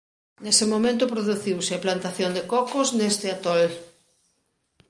Nese momento produciuse a plantación de cocos neste atol.